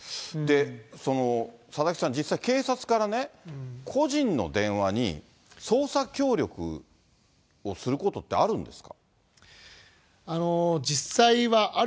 佐々木さん、実際警察からね、個人の電話に捜査協力をすることってあるんですか？